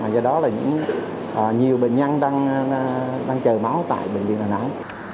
do đó là nhiều bệnh nhân đang chờ máu tại bệnh viện đà nẵng